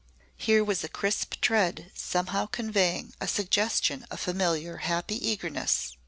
Here was a crisp tread somehow conveying a suggestion of familiar happy eagerness.